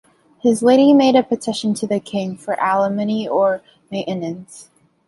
His lady made a petition to the king for alimony or maintenance.